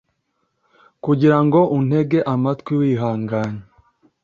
Kugira ngo untege amatwi wihanganye